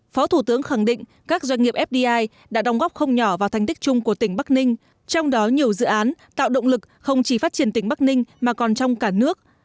phó thủ tướng khẳng định các doanh nghiệp fdi đã đồng góp không nhỏ vào thành tích chung của tỉnh bắc ninh trong đó nhiều dự án tạo động lực không chỉ phát triển tỉnh bắc ninh mà còn trong cả nước